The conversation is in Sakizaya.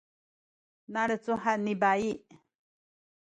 nalecuhan ni bayi